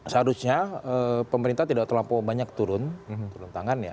seharusnya pemerintah tidak terlalu banyak turun turun tangan ya